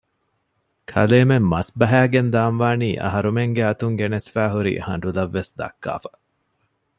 ކަލޭމެން މަސްބަހައިގެން ދާންވާނީ އަހަރުމެންގެ އަތުން ގެނެސްފައިހުރި ހަނޑުލަށް ވެސް ދައްކާފަ